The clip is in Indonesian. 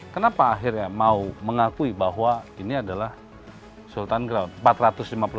kenapa akhirnya mau mengakui bahwa ini adalah sultan ground